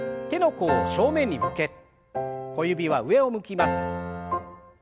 手の甲を正面に向け小指は上を向きます。